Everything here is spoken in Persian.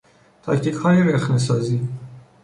تاکتیکهای رخنهسازی